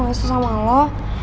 gak sesama lo